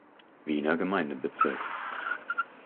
Wiener Gemeindebezirk.